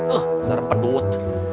oh bener pedut